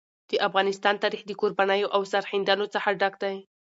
د افغانستان تاریخ د قربانیو او سرښندنو څخه ډک دی.